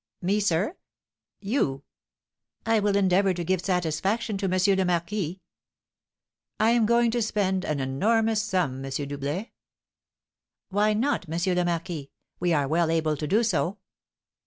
"Me, sir?" "You." "I will endeavour to give satisfaction to M. le Marquis." "I am going to spend an enormous sum, M. Doublet." "Why not, M. le Marquis? We are well able to do so."